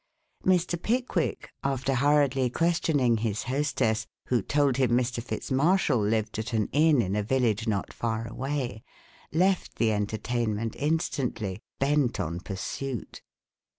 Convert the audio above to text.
Mr. Pickwick, after hurriedly questioning his hostess, who told him Mr. Fitz Marshall lived at an inn in a village not far away, left the entertainment instantly, bent on pursuit.